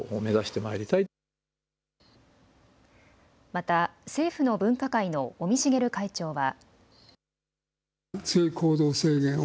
また政府の分科会の尾身茂会長は。